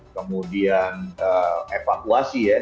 kemudian evakuasi ya